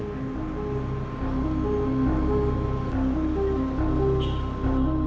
kamu pasti tahu kalau saya pulang kau akan menang